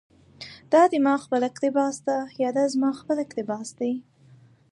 دا دي ما خپل اقتباس ده، يا دا زما خپل اقتباس دى